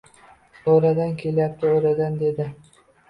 — O’radan kelyapti, o‘radan, — dedi.